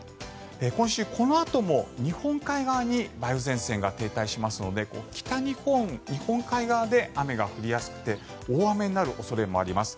今週このあとも、日本海側に梅雨前線が停滞しますので北日本、日本海側で雨が降りやすくて大雨になる恐れもあります。